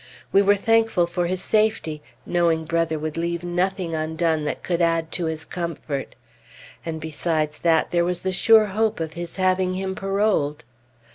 We were thankful for his safety, knowing Brother would leave nothing undone that could add to his comfort. And besides that, there was the sure hope of his having him paroled.